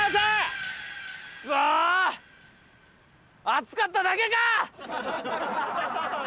暑かっただけか！